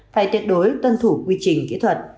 phải tiệt đối tuân thủ quy trình kỹ thuật